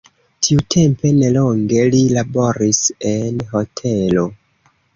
Tiutempe nelonge li laboris en hotelo.